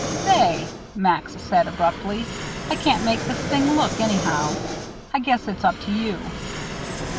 "Say," Max said abruptly, "I can't make this thing look anyhow. I guess it's up to you."